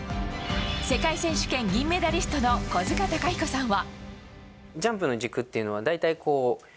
世界選手権、銀メダリストの小塚崇彦さんは。